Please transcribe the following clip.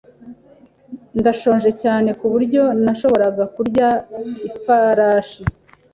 Ndashonje cyane kuburyo nashoboraga kurya ifarashi.